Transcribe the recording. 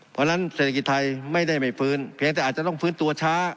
เพราะฉะนั้นเศรษฐกิจไทยไม่ได้ไม่ฟื้นเพียงแต่อาจจะต้องฟื้นตัวช้า